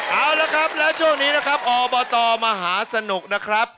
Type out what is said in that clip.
เอาละครับแล้วช่วงนี้นะครับอบตมหาสนุกนะครับ